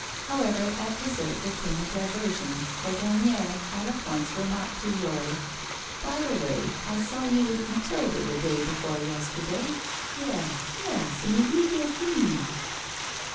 However, at dessert there came a diversion, for Gagnière all at once remarked to Jory: 'By the way, I saw you with Mathilde the day before yesterday. Yes, yes, in the Rue Dauphine.